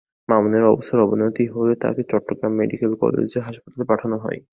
মামুনের অবস্থার অবনতি হলে তাঁকে চট্টগ্রাম মেডিকেল কলেজ হাসপাতালে পাঠানো হয়।